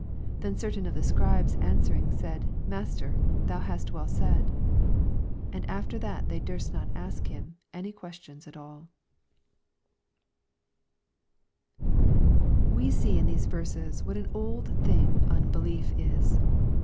89 Then certain of the Scribes an swering said, Master, thou hast well said. 40 And after that they durst not ask him any questions at aU. We see in these verses what an old thing unbelief is.